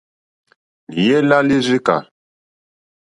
Lìyɛ́ lá līrzīkà.